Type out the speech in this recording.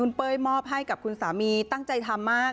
เป้ยมอบให้กับคุณสามีตั้งใจทำมาก